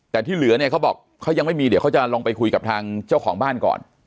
แต่ที่เหลือเนี่ยเขาบอกเขายังไม่มีเดี๋ยวเขาจะลองไปคุยกับทางเจ้าของบ้านก่อน